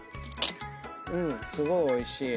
すごいおいしい。